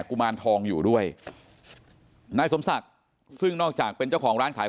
กุมารทองอยู่ด้วยนายสมศักดิ์ซึ่งนอกจากเป็นเจ้าของร้านขาย